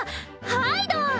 ハイドン！